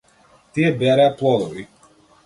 Тие береа плодови.